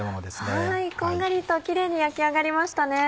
こんがりとキレイに焼き上がりましたね。